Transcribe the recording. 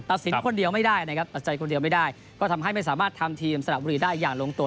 สินคนเดียวไม่ได้นะครับตัดใจคนเดียวไม่ได้ก็ทำให้ไม่สามารถทำทีมสระบุรีได้อย่างลงตัว